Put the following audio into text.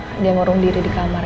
nyata dia ngurung diri di kamar ya